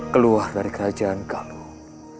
keluar dari kerajaan galuh